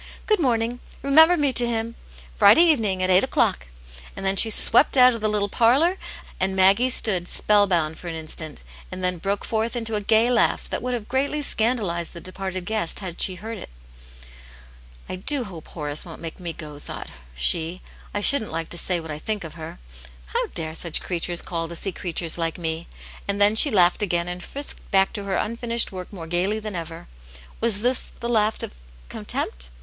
Good morning ; remember me to him ; Friday evening, at eight o'clock." And then she swept out of the little parlour, and Maggie stood spell bound for an instant, and then broke forth into a gay laugh that would have greatly scandalized the departed guest, had she heard it. " I do hoRe Horace won't make me ^oV Msnss^s^ 128 A?i;it yane^s Hero. she. " I shouldn't like to say what I think of hef. How dare such creatures call to see creatures like ^ me?" And then she laughed again, and frisked back to her unfinished work more gaily than ever. Was this the laugh of contempt